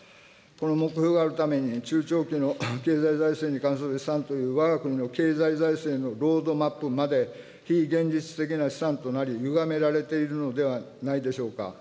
この目標があるために、中長期の経済財政に関する試算というわが国の経済財政のロードマップまで、非現実的な試算となり、ゆがめられているのではないでしょうか。